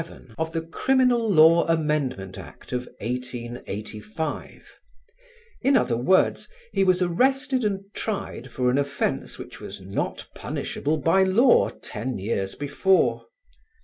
of the Criminal Amendment Act of 1885; in other words, he was arrested and tried for an offence which was not punishable by law ten years before.